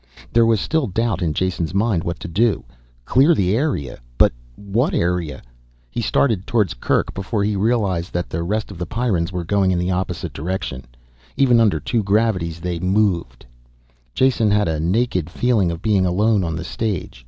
There was still doubt in Jason's mind what to do. Clear the area? But what area? He started towards Kerk, before he realized that the rest of the Pyrrans were going in the opposite direction. Even under two gravities they moved. Jason had a naked feeling of being alone on the stage.